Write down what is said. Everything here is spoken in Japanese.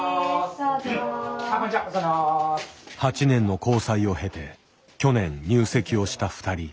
８年の交際を経て去年入籍をした二人。